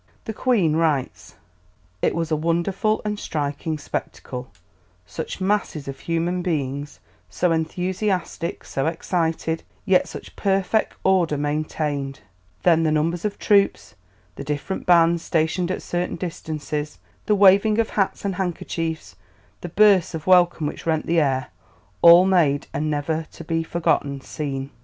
The Queen writes: "It was a wonderful and striking spectacle, such masses of human beings, so enthusiastic, so excited, yet such perfect order maintained; then the numbers of troops, the different bands stationed at certain distances, the waving of hats and handkerchiefs, the bursts of welcome which rent the air all made a never to be forgotten scene."